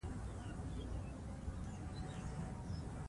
بم غږ د دروند خج نښه ده.